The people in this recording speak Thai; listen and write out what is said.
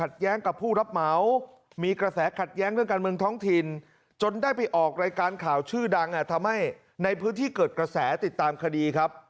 ดังทำให้ในพื้นที่เกิดกระแสติดตามคดีครับ